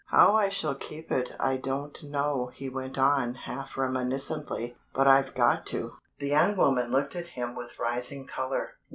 How I shall keep it I don't know," he went on, half reminiscently, "but I've got to." The young woman looked at him with rising color.